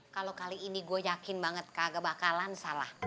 kalo kali ini gua yakin banget kagak bakalan salah